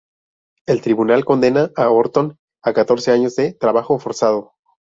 El tribunal condena a Orton a catorce años de trabajo forzado.